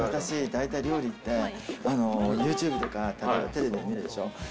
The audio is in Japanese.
大体料理ってＹｏｕＴｕｂｅとかテレビで見るでしょ？